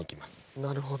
なるほど。